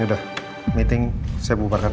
yaudah meeting saya bubarkan